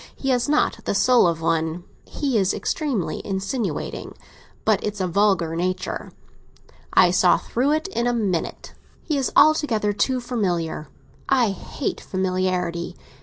He has not the soul of one. He is extremely insinuating; but it's a vulgar nature. I saw through it in a minute. He is altogether too familiar—I hate familiarity.